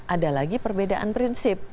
ada lagi perbedaan prinsip